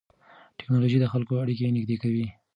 ټیکنالوژي د خلکو اړیکې نږدې کوي.